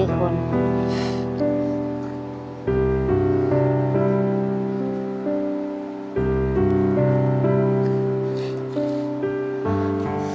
ใช่